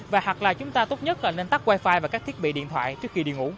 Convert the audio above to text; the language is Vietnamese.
và hoặc là chúng ta tốt nhất là nên tắt wifi và các thiết bị điện thoại trước khi đi ngủ